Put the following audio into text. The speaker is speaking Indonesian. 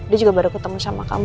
dia juga baru ketemu sama kamu